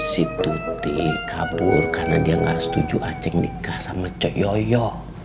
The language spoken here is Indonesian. si tuti kabur karena dia nggak setuju aceh nikah sama cok yoyo